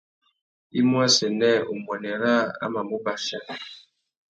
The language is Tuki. I mú assênē umbuênê râā a mà mú bachia.